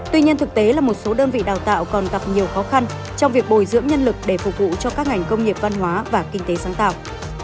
tuy nhiên thực tế là một số đơn vị đào tạo còn gặp nhiều khó khăn trong việc bồi dưỡng nhân lực để phục vụ cho các ngành công nghiệp văn hóa và kinh tế sáng tạo